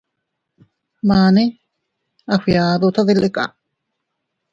Mane a fgiadu tadilika.